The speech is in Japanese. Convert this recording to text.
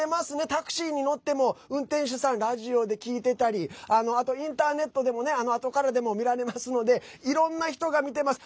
タクシーに乗っても運転手さんラジオで聴いてたりあとインターネットでもねあとからでも見られますのでいろんな人が見てます。